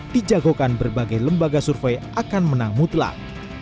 dijagokan berbagai lembaga survei akan menang mutlak